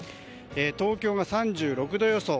東京が３６度予想。